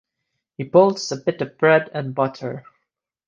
He bolts a bit of bread and butter.